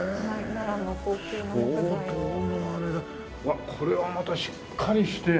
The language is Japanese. わっこれはまたしっかりして。